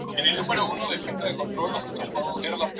Éste es el estado normal del circuito.